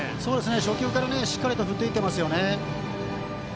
初球からしっかり振っていっていますよね。